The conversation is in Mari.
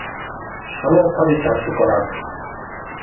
Шыл окса дечат шукырак...»